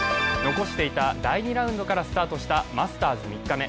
残していた第２ラウンドからスタートしたマスターズ３日目。